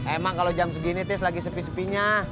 emang kalo jam segini tis lagi sepi sepinya